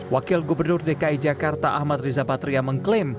wakil gubernur dki jakarta ahmad riza patria mengklaim